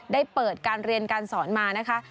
ได้เปิดการเรียนการสอนมานะคะ